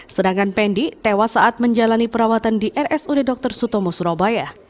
sedangkan pendi tewas saat menjalani perawatan di rsud dr sutomo surabaya